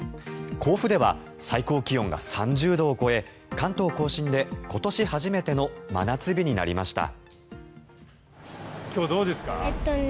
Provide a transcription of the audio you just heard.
甲府では最高気温が３０度を超え関東・甲信で今年初めての真夏日になりました。